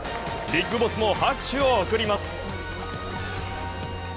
ビッグボスも拍手を送ります。